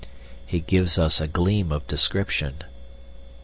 He gives us a gleam of description.